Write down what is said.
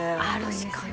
確かに。